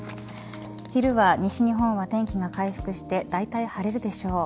昼は西日本は天気が回復してだいたい晴れるでしょう。